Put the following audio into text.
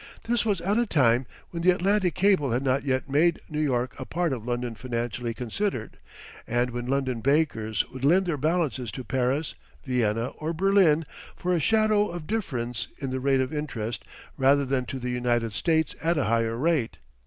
This was at a time when the Atlantic cable had not yet made New York a part of London financially considered, and when London bankers would lend their balances to Paris, Vienna, or Berlin for a shadow of difference in the rate of interest rather than to the United States at a higher rate.